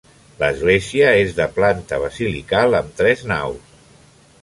L'església és de planta basilical amb tres naus.